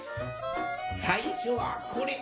さいしょはこれ。